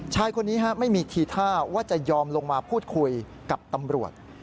ชายคนนี้ไม่มีทีท่าว่าจะยอมลงมาพูดคุยกับตำรวจ